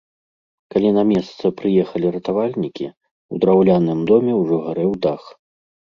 Калі на месца прыехалі ратавальнікі, у драўляным доме ўжо гарэў дах.